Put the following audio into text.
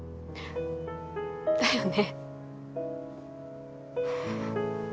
だよね。